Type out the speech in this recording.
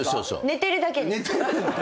寝てるだけです。